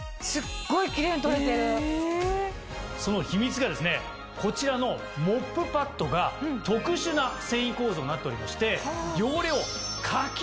その秘密がですねこちらのモップパッドが。になっておりまして。